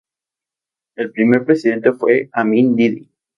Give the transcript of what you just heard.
El primer presidente fue Amin Didi.